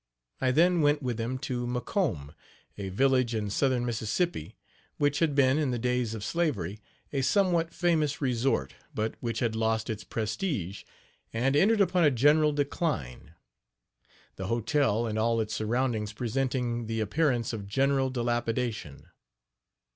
I then went with him to McComb, a village in southern Mississippi, which had been, in the days of slavery, a somewhat famous resort, but which had lost its prestige, and entered upon a general decline; the hotel and all its surroundings presenting the appearance of general dilapidation.